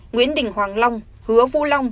nguyễn đình hoàng long hứa vũ long